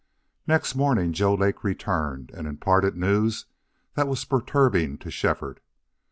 Next morning Joe Lake returned and imparted news that was perturbing to Shefford.